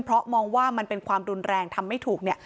เพราะมองว่ามันเป็นความรุนแรงทำไม่ถูกเนี่ย